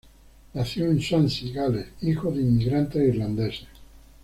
Nació en Swansea, Gales, hijo de inmigrantes irlandeses.